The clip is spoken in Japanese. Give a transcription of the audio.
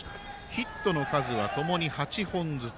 ヒットの数はともに８本ずつ。